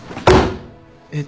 えっ